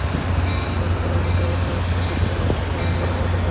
আরেকটি গোলের অপেক্ষায় অবশ্য খুব বেশিক্ষণ অপেক্ষায় থাকতে হয়নি রিয়ালের সমর্থকদের।